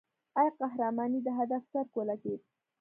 ای قهرمانې د هدف څرک ولګېد.